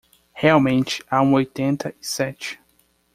Realmente há um oitenta e sete